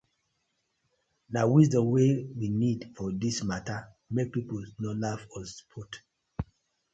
Na wisdom we need for dis matta mek pipus no laugh us put.